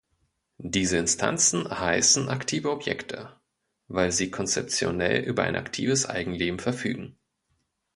Diese Instanzen heißen "aktive Objekte", weil sie konzeptionell über ein „aktives Eigenleben“ verfügen.